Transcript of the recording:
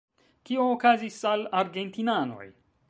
Kio okazis al argentinanoj?